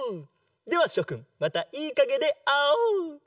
ではしょくんまたいいかげであおう！